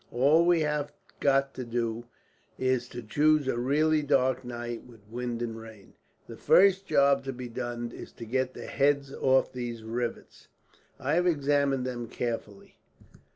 All we have got to do is to choose a really dark night, with wind and rain. "The first job to be done is to get the heads off these rivets. I have examined them carefully.